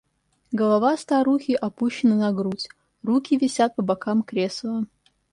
Голова старухи опущена на грудь, руки висят по бокам кресла.